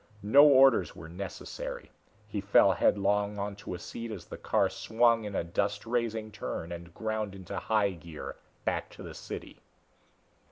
No orders were necessary. He fell headlong onto a seat as the car swung in a dust raising turn and ground into high gear, back to the city.